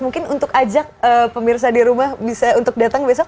mungkin untuk ajak pemirsa di rumah bisa untuk datang besok